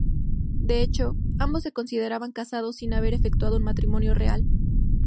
De hecho, ambos se consideraban casados sin haber efectuado un matrimonio real.